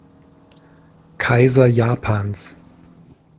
Kaiser Japans.